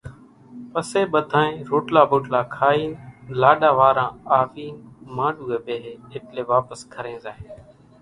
پسيَ ٻڌانئين روٽلا ٻوٽلا کائينَ لاڏا واران آوينَ مانڏوُئيَ ٻيۿيَ ايٽليَ واپس گھرين زائيَ۔